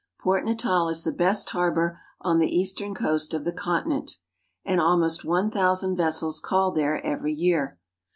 Port Natal is the best harbor on the eastern coast of the continent, and almost one thousand vessels call there every year.